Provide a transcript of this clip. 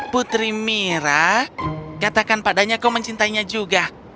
putri mira katakan padanya kau mencintainya juga